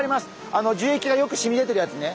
あの樹液がよくしみ出てるやつね。